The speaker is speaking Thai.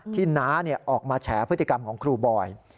น้าออกมาแฉพฤติกรรมของครูบอย